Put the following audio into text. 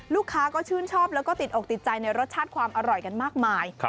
ลูกค้าก็ชื่นชอบแล้วก็ติดอกติดใจในรสชาติความอร่อยกันมากมาย